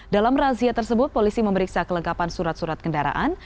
dalam razia tersebut polisi memeriksa kelengkapan surat surat kendaraan